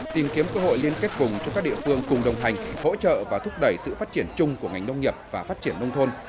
tìm kiếm cơ hội liên kết vùng cho các địa phương cùng đồng hành hỗ trợ và thúc đẩy sự phát triển chung của ngành nông nghiệp và phát triển nông thôn